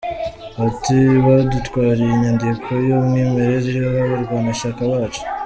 Ati “Badutwariye inyandiko y’umwimerere iriho abarwanashyaka bacu.